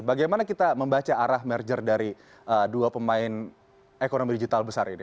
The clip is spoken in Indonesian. bagaimana kita membaca arah merger dari dua pemain ekonomi digital besar ini